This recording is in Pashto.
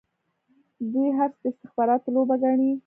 دوی هر څه د استخباراتو لوبه ګڼي.